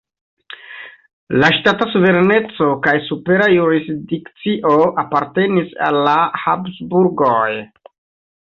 La ŝtata suvereneco kaj supera jurisdikcio apartenis al la Habsburgoj.